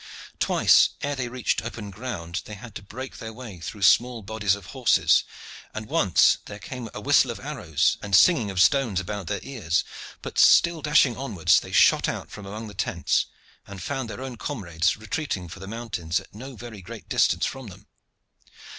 Twice ere they reached open ground they had to break their way through small bodies of horses, and once there came a whistle of arrows and singing of stones about their ears; but, still dashing onwards, they shot out from among the tents and found their own comrades retreating for the mountains at no very great distance from them.